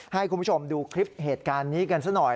ให้คุณผู้ชมดูคลิปเหตุการณ์นี้กันซะหน่อย